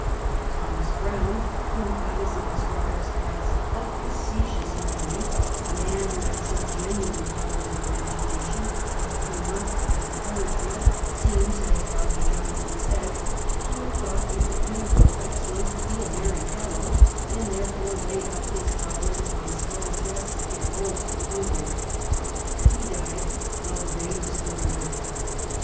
Thomas Brown, whom Addison describes as ' of facetious memory,' a man who had some genuine powers of imagination, of humour, and of poetry, seems, as Dr. Johnson says, ' to have thought it the pinnacle of excellence to be a merry fellow, and therefore laid out his powers upon small jests and gross buffoonery.' He died while the reign was still young.